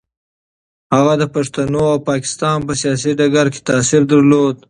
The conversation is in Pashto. هغه د پښتنو او پاکستان په سیاسي ډګر کې تاثیر درلود.